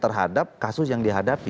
terhadap kasus yang dihadapi